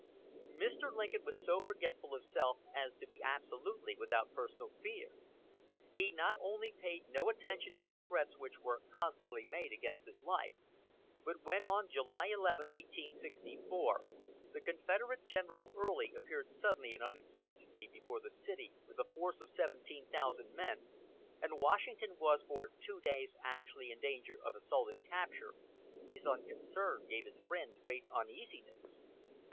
Mr. Lincoln was so forgetful of self as to be absolutely without personal fear. He not only paid no attention to the threats which were constantly made against his life, but when, on July 11, 1864, the Confederate General Early appeared suddenly and unexpectedly before the city with a force of 17,000 men, and Washington was for two days actually in danger of assault and capture, his unconcern gave his friends great uneasiness.